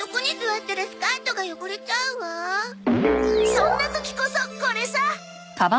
そんな時こそこれさ！